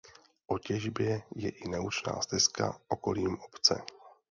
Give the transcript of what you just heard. O těžbě je i naučná stezka okolím obce.